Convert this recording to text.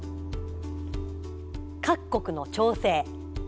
各国の調整。